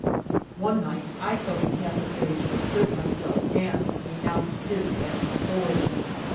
One night I felt it necessary to assert myself and renounce his petty authority.